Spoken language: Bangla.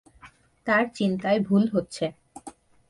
তাঁর চিন্তায় ভুল হচ্ছে।